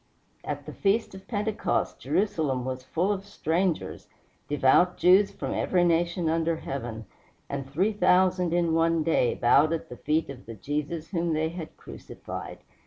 At the feast of Pentecost Jerusalem was full of strangers, devout Jews from every nation under heaven, and three thousand in one day bowed at the feet of the Jesus whom they had crucified.